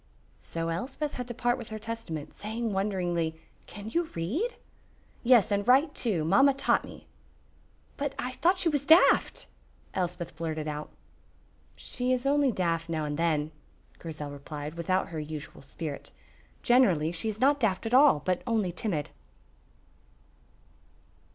So Elspeth had to part with her Testament, saying wonderingly, "Can you read?" "Yes, and write too. Mamma taught me." "But I thought she was daft," Elspeth blurted out. "She is only daft now and then," Grizel replied, without her usual spirit. "Generally she is not daft at all, but only timid."